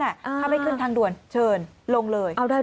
ถ้าไม่ขึ้นทางด่วนเชิญลงเลย